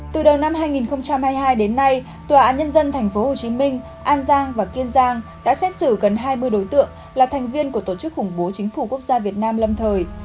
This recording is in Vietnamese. từ đầu năm hai nghìn hai mươi hai đến nay tòa án nhân dân tp hcm an giang và kiên giang đã xét xử gần hai mươi đối tượng là thành viên của tổ chức khủng bố chính phủ quốc gia việt nam lâm thời